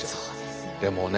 でもね